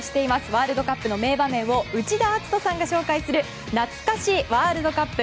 ワールドカップの名場面を内田篤人さんが紹介するなつか史ワールドカップ。